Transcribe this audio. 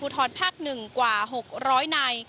ทอนภาคหนึ่งกว่าหกร้อยใน